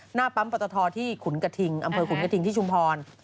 หน้าปั๊มปตทที่ขุนกระทิงอำเภอขุนกระทิงที่ชุมพร